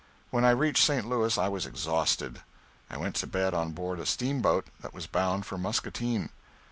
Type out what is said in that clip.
When I reached St. Louis I was exhausted. I went to bed on board a steamboat that was bound for Muscatine.